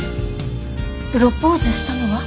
プロポーズしたのは。